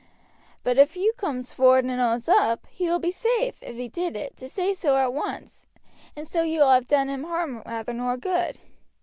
But if you cooms forward and owns up, he will be saaf, if he did it, to say so at once; and so you will have done him harm rather nor good.